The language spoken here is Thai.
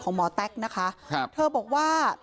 ของหมอแต๊กนะค่ะ